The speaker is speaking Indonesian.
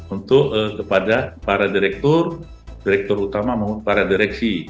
untuk kepada para direktur direktur utama maupun para direksi